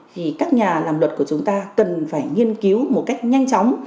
thì các nhà làm luật của chúng ta cần phải nghiên cứu một cách nhanh chóng